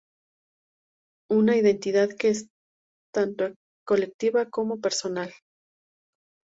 Una identidad que es tanto colectiva como personal".